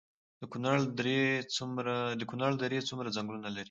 د کونړ درې څومره ځنګلونه لري؟